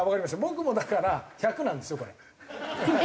僕もだから１００なんですよこれ。